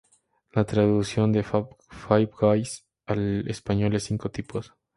La traducción de "Five Guys" al español es "cinco tipos".